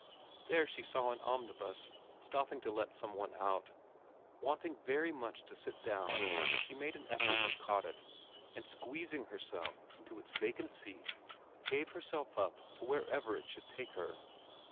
There she saw an omnibus stopping to let some one out. Wanting very much to sit down she made an effort and caught it, and squeezing herself into its vacant seat gave herself up to wherever it should take her.